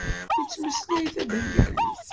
Yettmeslay tabengalit.